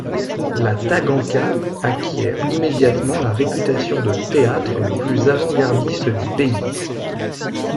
La Taganka acquiert immédiatement la réputation de théâtre le plus avant-gardiste du pays.